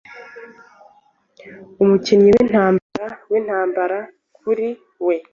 Umukinnyi wintambara wintambara kuri we